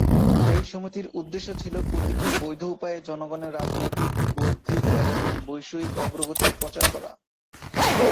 এই সমিতির উদ্দেশ্য ছিল "প্রতিটি বৈধ উপায়ে জনগণের রাজনৈতিক, বৌদ্ধিক এবং বৈষয়িক অগ্রগতি" প্রচার করা।